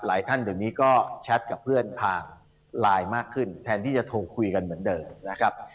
ท่านเดี๋ยวนี้ก็แชทกับเพื่อนผ่านไลน์มากขึ้นแทนที่จะโทรคุยกันเหมือนเดิมนะครับ